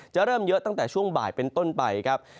เริ่มเยอะตั้งแต่ช่วงบ่ายเป็นต้นไปครับ